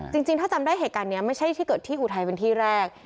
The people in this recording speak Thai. จริงถ้าจำได้เหตุการณ์นี้ไม่ใช่ที่เกิดที่อุทัยเป็นที่แรก